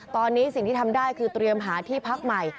ตอนนี้สิ่งที่ทำได้คือเตรียมหาที่พักใหม่